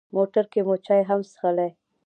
موټر کې مو چای هم څښلې.